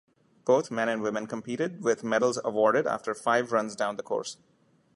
Both men and women competed, with medals awarded after five runs down the course.